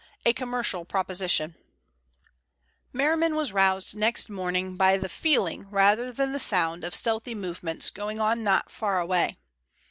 A COMMERCIAL PROPOSITION Merriman was roused next morning by the feeling rather than the sound of stealthy movements going on not far away.